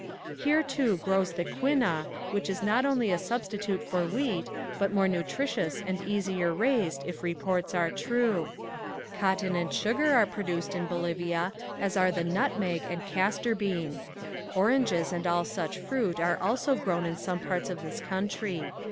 Here too grows the quinna which is not only a substitute for wheat but more nutritious and easier raised if reports are true. Cotton and sugar are produced in Bolivia as are the nutmeg and castor bean. Oranges and all such fruit are also grown in some parts of this country.